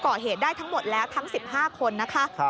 ก่อเหตุได้ทั้งหมดแล้วทั้ง๑๕คนนะคะ